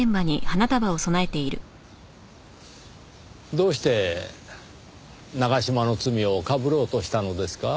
どうして長嶋の罪をかぶろうとしたのですか？